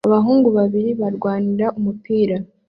Abahungu babiri barwanira umupira